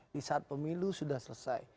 di saat pemilu sudah selesai